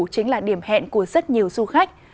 chính là điểm hẹn của rất nhiều du khách